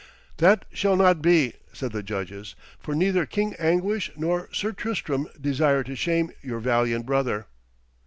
'That shall not be,' said the judges, 'for neither King Anguish nor Sir Tristram desire to shame your valiant brother.'